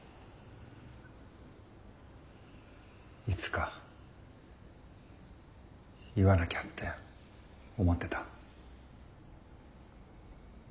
いつか言わなきゃって思ってた。